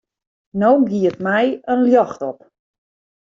No giet my in ljocht op.